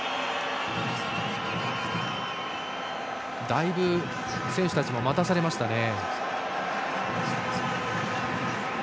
だいぶ選手たちも待たされましたね。